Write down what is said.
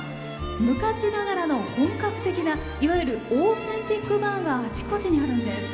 昔ながらの本格的ないわゆるオーセンティックバーがあちこちにあるんです。